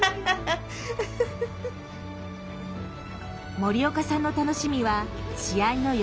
森岡さんの楽しみは試合の翌日